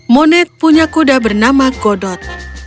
moned punya kuda bernama godot